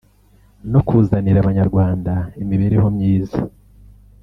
no kuzanira Abanyarwanda imibereho myiza”